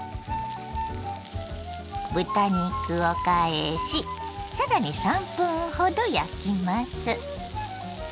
豚肉を返しさらに３分ほど焼きます。